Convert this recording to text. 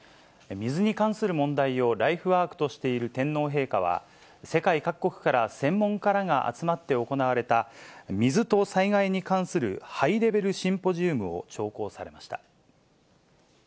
水に関する問題をライフワークとしている天皇陛下は、世界各国から専門家らが集まって行われた水と災害に関するハイレベルシンポジウムを聴講されました。